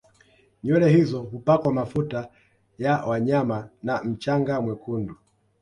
Nywele hizo hupakwa mafuta ya wanyama na mchanga mwekundu